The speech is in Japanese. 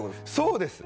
そうです。